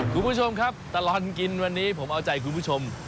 คุณผู้ชมครับตลอดกินวันนี้ผมเอาใจคุณผู้ชม